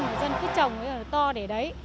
mà dân cứ trồng với người ta